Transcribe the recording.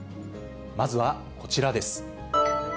まずはこちらです。